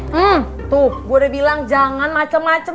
hmm tuh gue udah bilang jangan macem macem